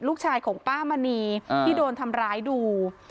ลูกชายของป้ามณีที่โดนทำร้ายดู